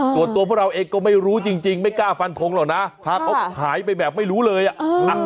ส่วนตัวพวกเราเองก็ไม่รู้จริงไม่กล้าฟันทงหรอกนะถ้าเขาหายไปแบบไม่รู้เลยอ่ะ